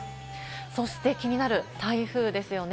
そして気になる台風ですね。